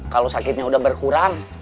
kalau sakitnya udah berkurang